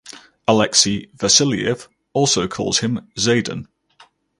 Alexei Vassiliev also calls him Zaidan.